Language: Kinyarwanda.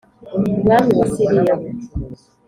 umwami wa Siriya